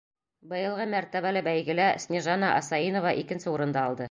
Быйылғы мәртәбәле бәйгелә Снежана Асаинова икенсе урынды алды.